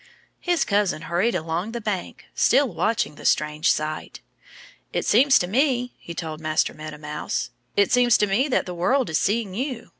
His cousin hurried along the bank, still watching the strange sight. "It seems to me " he told Master Meadow Mouse "it seems to me that the world is seeing you.